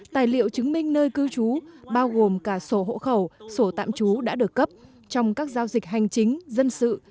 tài liệu chứng minh nơi cư trú bao gồm cả sổ hộ khẩu sổ tạm trú đã được cấp trong các giao dịch hành chính dân sự